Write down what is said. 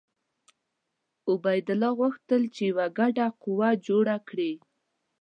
عبیدالله غوښتل چې یوه ګډه قوه جوړه کړي.